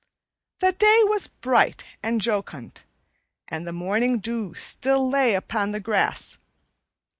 The day was bright and jocund, and the morning dew still lay upon the grass.